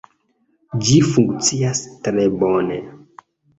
Ĝi funkcias tre bone